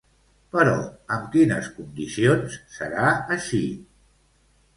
Però amb quines condicions serà així?